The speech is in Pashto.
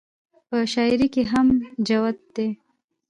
پۀ شاعرۍ کښې هم جوت دے -